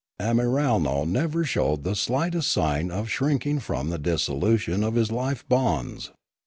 Amiralno never showed the slightest sign of shrinking from the dissolution of his life bonds.